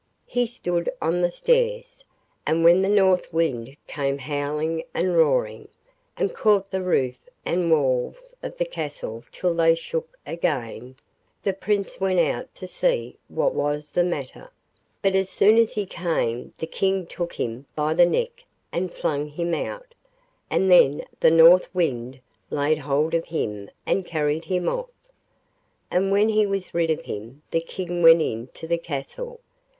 He stood on the stairs, and when the North Wind came howling and roaring, and caught the roof and walls of the castle till they shook again, the Prince went out to see what was the matter; but as soon as he came the King took him by the neck and flung him out, and then the North Wind laid hold of him and carried him off. And when he was rid of him the King went into the castle.